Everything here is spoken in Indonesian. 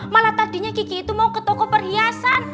malah tadinya kiki itu mau ke toko perhiasan